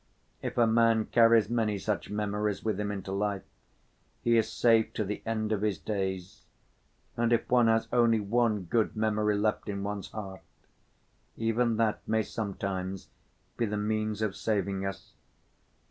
If a man carries many such memories with him into life, he is safe to the end of his days, and if one has only one good memory left in one's heart, even that may sometime be the means of saving us.